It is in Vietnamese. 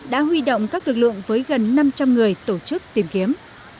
đã huy động các lực lượng với gần năm trăm linh người tổ chức tìm kiếm